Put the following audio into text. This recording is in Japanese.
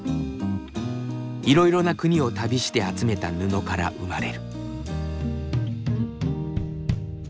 いろいろな国を旅して集めた布から生まれる。